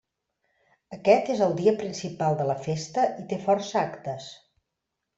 Aquest és el dia principal de la festa i té força actes.